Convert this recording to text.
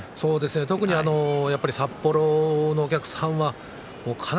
特に札幌のお客さん